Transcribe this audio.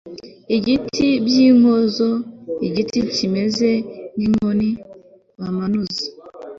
igiti by'inkonzo igiti kimeze nk'inkoni bamanuza